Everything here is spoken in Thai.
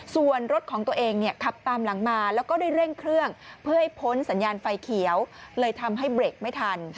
ส่วนรถของตัวเองขับตามหลังมาแล้วก็ได้เร่งเครื่องเพื่อให้พ้นสัญญาณไฟเขียวเลยทำให้เบรกไม่ทัน